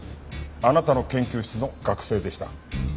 あなたの研究室の学生でした。